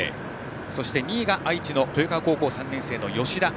そして２位が愛知の豊川高校３年生、吉田。